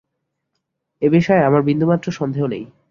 এ বিষয়ে আমার বিন্দুমাত্র সন্দেহ নাই।